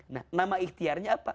nah nama ikhtiarnya apa